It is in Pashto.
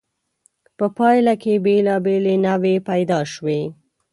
په پایله کې بېلابېلې نوعې پیدا شوې.